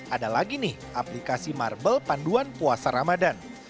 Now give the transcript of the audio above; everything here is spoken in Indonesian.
ada lagi nih aplikasi marble panduan puasa ramadan